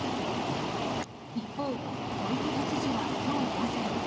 一方、小池都知事はきょう午前。